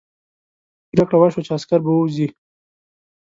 پرېکړه وشوه چې عسکر به ووځي.